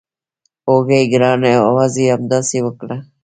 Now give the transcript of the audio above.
هوکې ګرانه یوازې همداسې وکړه.